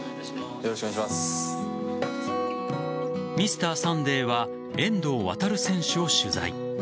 「Ｍｒ．サンデー」は遠藤航選手を取材。